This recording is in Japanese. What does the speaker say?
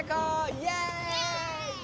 イエーイ！